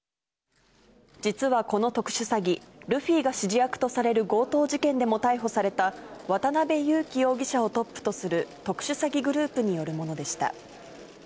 実はこの特殊詐欺、ルフィが指示役とされる強盗事件でも逮捕された、渡辺優樹容疑者をトップとする特殊詐欺グループによるものでした。